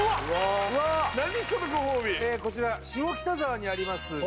こちら下北沢にあります